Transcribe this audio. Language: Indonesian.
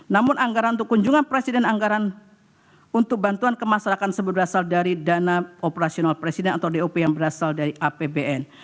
namun anggaran untuk kunjungan presiden anggaran untuk bantuan ke masyarakat berasal dari dana operasional presiden atau dop yang berasal dari apbn